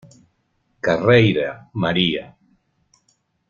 Carreira, María.